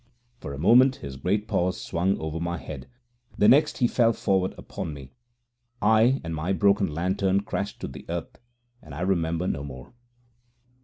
For a moment his great paws swung over my head. The next he fell forward upon me, I and my broken lantern crashed to the earth, and I remember no more.